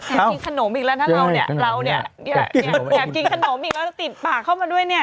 อยากกินขนมอีกแล้วถ้าเราเนี้ยเราเนี้ยอยากกินขนมอีกแล้วติดปากเข้ามาด้วยเนี้ย